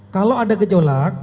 kalau ada gejolak